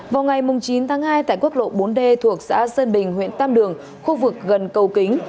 vào ngày chín tháng hai tại quốc lộ bốn d thuộc xã sơn bình huyện tam đường khu vực gần cầu kính